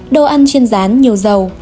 bốn đồ ăn chiên rán nhiều dầu